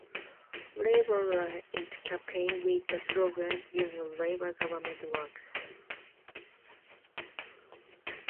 Labour ran its campaign with the slogan "You know Labour government works".